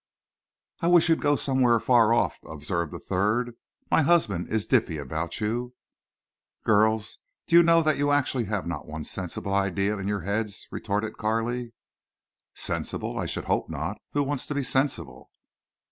"I wish you'd go somewhere far off!" observed a third. "My husband is dippy about you." "Girls, do you know that you actually have not one sensible idea in your heads?" retorted Carley. "Sensible? I should hope not. Who wants to be sensible?"